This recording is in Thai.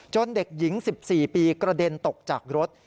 เด็กหญิง๑๔ปีกระเด็นตกจากรถ